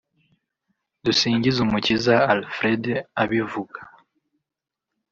Dusingizumukiza Alphred abivuga